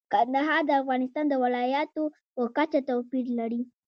کندهار د افغانستان د ولایاتو په کچه توپیر لري.